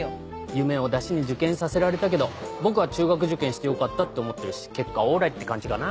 夢をダシに受験させられたけど僕は中学受験してよかったって思ってるし結果オーライって感じかな。